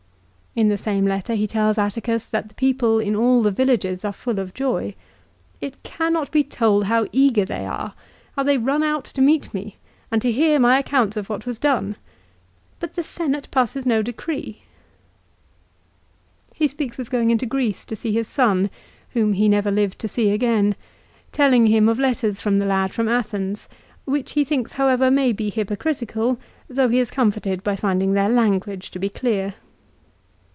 2 In the same letter he tells Atticus that the people in all the villages are full of joy. " It cannot be told how eager they are; how they run out to meet me, and to hear my accounts of what was done. But the Senate passes no decree !" He speaks of going into Greece to see his son, whom he never lived to see again, telling him of letters from the lad from Athens, which he thinks however may be hypocritical though he is comforted by finding their language to be clear.